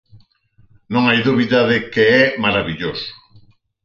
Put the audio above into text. Non hai dúbida de que é marabilloso